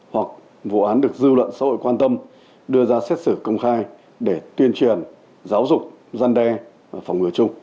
hoặc vụ án được dư luận xã hội quan tâm đưa ra xét xử công khai để tuyên truyền giáo dục gian đe phòng ngừa chung